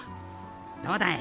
どうだい？